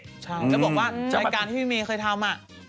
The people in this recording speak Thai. แล้วบอกว่ารายการที่พี่เมย์เคยทำ